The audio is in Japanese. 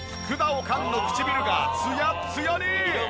おかんの唇がツヤッツヤに！